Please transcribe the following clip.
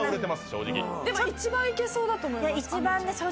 正直でも一番いけそうだと思います